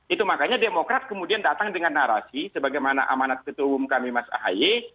itu makanya demokrat kemudian datang dengan narasi sebagaimana amanat ketua umum kami mas ahaye